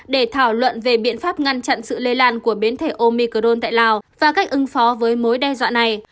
để thảo luận về biện pháp ngăn chặn sự lây lan của biến thể omicron tại lào và cách ứng phó với mối đe dọa này